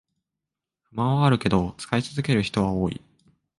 不満はあるけど使い続ける人は多い